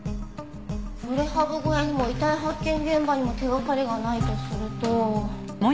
プレハブ小屋にも遺体発見現場にも手掛かりがないとすると。